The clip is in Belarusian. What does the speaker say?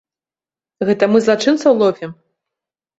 Гэта мы злачынцаў ловім?